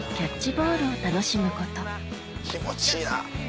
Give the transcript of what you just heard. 気持ちいいな。